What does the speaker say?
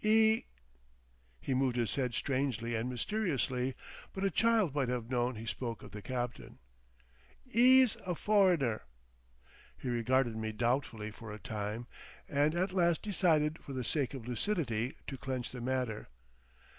"E—" He moved his head strangely and mysteriously, but a child might have known he spoke of the captain. "E's a foreigner." He regarded me doubtfully for a time, and at last decided for the sake of lucidity to clench the matter.